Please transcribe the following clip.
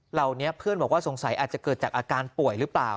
เหล่านี้เพื่อนบอกว่าสงสัยอาจจะเกิดจากอาการป่วยหรือเปล่า